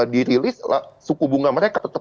dirilis suku bunga mereka tetap